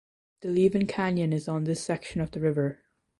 The Leven Canyon is on this section of the river.